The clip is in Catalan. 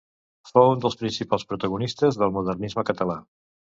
Fou un dels principals protagonistes del Modernisme català.